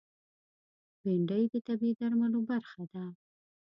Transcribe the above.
بېنډۍ د طبعي درملو برخه ده